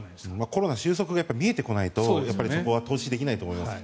コロナ収束が見えてこないとやっぱりそこは投資できないと思います。